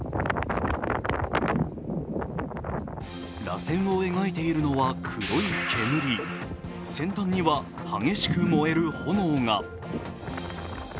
らせんを描いているのは、黒い煙先端には激しく燃える炎が。